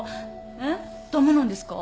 えっ駄目なんですか？